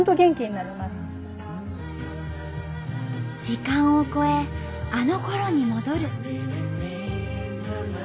時間を超えあのころに戻る。